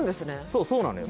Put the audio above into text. そうそうなのよ